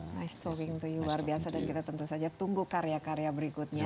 nah streking to you luar biasa dan kita tentu saja tunggu karya karya berikutnya